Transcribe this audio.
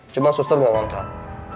cuma suster gak angkat